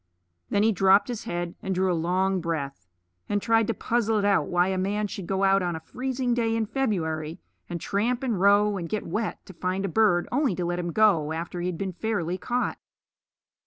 Then he dropped his head, and drew a long breath, and tried to puzzle it out why a man should go out on a freezing day in February, and tramp, and row, and get wet to find a bird, only to let him go after he had been fairly caught.